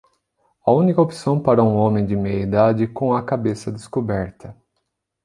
A única opção para um homem de meia-idade com a cabeça descoberta.